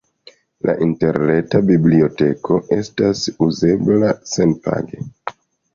La interreta biblioteko estas uzebla senpage.